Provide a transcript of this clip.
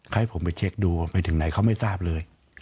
ให้ผมไปเช็คดูไปถึงไหนเขาไม่ทราบเลย